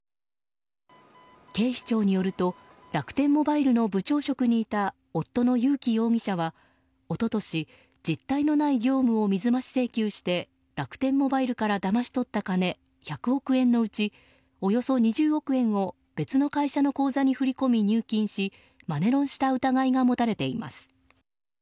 警視庁によると楽天モバイルの部長職にいた夫の友紀容疑者は一昨年、実体のない業務を水増し請求して楽天モバイルからだまし取った金１００億円のうちおよそ２０億円を別の会社の口座に振り込み入金しマネロンした疑いが持たれています。